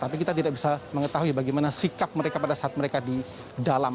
tapi kita tidak bisa mengetahui bagaimana sikap mereka pada saat mereka di dalam